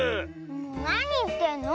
なにいってんの？